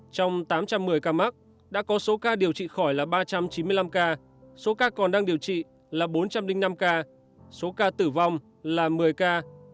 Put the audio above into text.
trong tám trăm một mươi ca mắc đã có số ca điều trị khỏi là ba trăm chín mươi năm ca số ca còn đang điều trị là bốn trăm linh năm ca số ca tử vong là một mươi ca